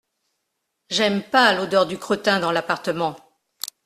J’aime pas l’odeur du crottin dans l’appartement.